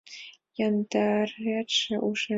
Яндареште ушем.